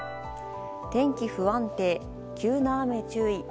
天気不安定、急な雨注意。